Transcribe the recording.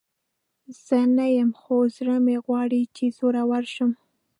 زه نه یم، خو زړه مې غواړي چې زړوره شم.